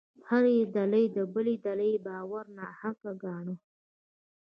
هره ډلې د بلې ډلې باور ناحقه ګاڼه.